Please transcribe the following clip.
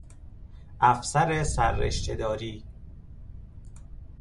افسر سررشته داری